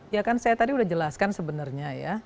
ya kan saya tadi udah jelaskan sebenarnya ya